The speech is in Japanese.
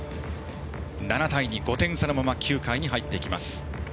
７対２と５点差のまま９回に入ります。